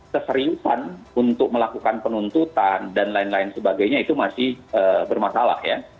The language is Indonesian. keseriusan untuk melakukan penuntutan dan lain lain sebagainya itu masih bermasalah ya